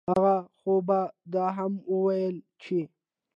هغه خو به دا هم وييل چې